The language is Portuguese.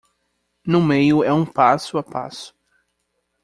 No meio é um passo a passo.